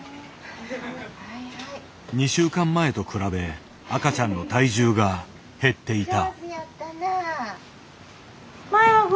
２週間前と比べ赤ちゃんの体重が減っていた。